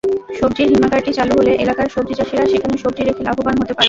সবজির হিমাগারটি চালু হলে এলাকার সবজিচাষিরা সেখানে সবজি রেখে লাভবান হতে পারবেন।